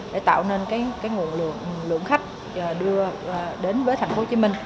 để tạo nên cái nguồn lượng khách đưa đến với tp hcm